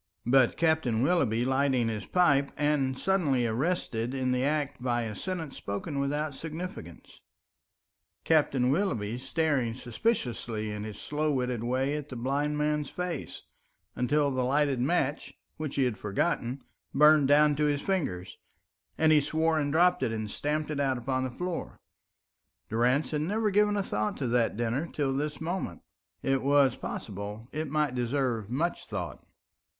But Captain Willoughby lighting his pipe and suddenly arrested in the act by a sentence spoken without significance, Captain Willoughby staring suspiciously in his slow witted way at the blind man's face, until the lighted match, which he had forgotten, burnt down to his fingers, and he swore and dropped it and stamped it out upon the floor. Durrance had never given a thought to that dinner till this moment. It was possible it might deserve much thought.